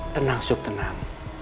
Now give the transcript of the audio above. tenang suf tenang